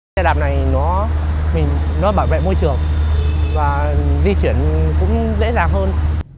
xe đạp này nó bảo vệ môi trường và di chuyển cũng dễ dàng hơn